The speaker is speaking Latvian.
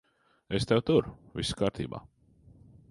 Es tevi turu. Viss kārtībā.